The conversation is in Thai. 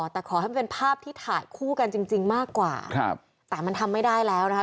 แต่ขอให้มันเป็นภาพที่ถ่ายคู่กันจริงมากกว่าครับแต่มันทำไม่ได้แล้วนะคะ